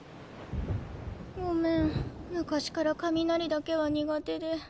ごめん昔からかみなりだけは苦手で。